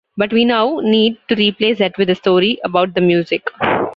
But we now need to replace that with a story about the music.